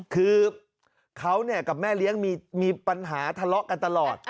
คือเขากับแม่เลี้ยงมีปัญหาทะเลาะกันตลอด